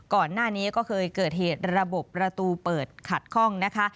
ก่อนหน้านี้ก็เคยเกิดเหตุระบบประตูเปิดขัดคล่องนะคะ